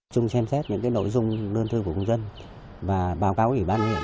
chúng xem xét những nội dung đơn thư của công dân